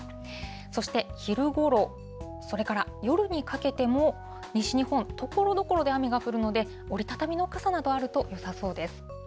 そして、昼ごろ、それから夜にかけても、西日本、ところどころで雨が降るので、折り畳みの傘なんかあるとよさそうです。